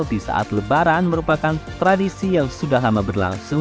di saat lebaran merupakan tradisi yang sudah lama berlangsung